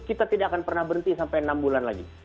kita tidak akan pernah berhenti sampai enam bulan lagi